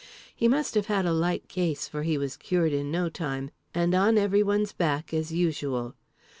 He must have had a light case for he was cured in no time, and on everyone's back as usual.